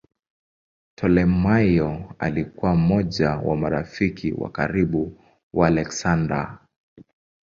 Ptolemaio alikuwa mmoja wa marafiki wa karibu wa Aleksander.